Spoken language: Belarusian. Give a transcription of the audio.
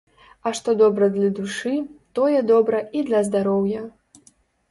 А што добра для душы, тое добра і для здароўя.